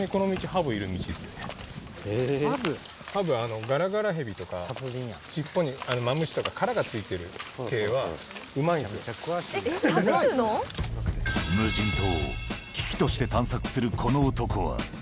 ハブ、ガラガラヘビとか、尻尾に、マムシとか、殻がついてる系は、無人島を、ききとして探索するこの男は。